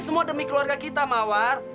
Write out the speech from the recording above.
semua demi keluarga kita mawar